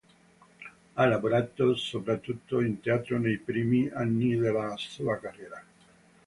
Ha lavorato soprattutto in teatro nei primi anni della sua carriera.